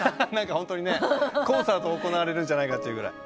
本当にねコンサート行われるんじゃないかっていうぐらい。